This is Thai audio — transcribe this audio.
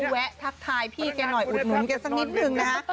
แวะทักทายพี่แกหน่อยอุดหนุนแกสักนิดนึงนะคะ